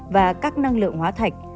và các năng lượng hóa thạch